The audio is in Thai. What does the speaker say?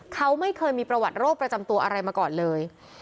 เขาไม่เคยมีประวัติโรคประจำตัวอะไรมาก่อนเลย